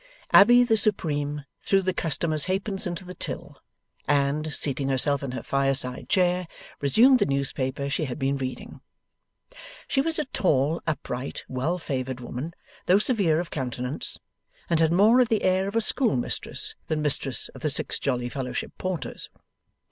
Abbey the supreme threw the customer's halfpence into the till, and, seating herself in her fireside chair, resumed the newspaper she had been reading. She was a tall, upright, well favoured woman, though severe of countenance, and had more of the air of a schoolmistress than mistress of the Six Jolly Fellowship Porters.